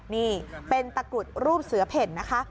นี่เป็นตะกรุดรูปเสือเพ่นนะคะ